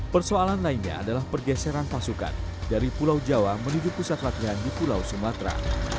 persoalan lainnya adalah pergeseran pasukan dari pulau jawa menuju pusat latihan di pulau sumatera